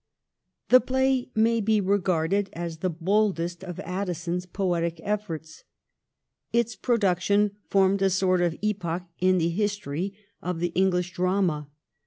The play may be regarded as the boldest of Addison's poetic eiSbrts. Its production formed a sort of epoch in the history of the English drama.